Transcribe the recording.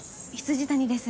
未谷です。